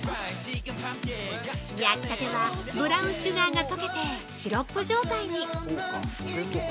焼きたてはブラウンシュガーが溶けて、シロップ状態に。